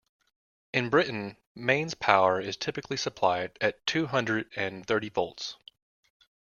In Britain, mains power is typically supplied at two hundred and thirty volts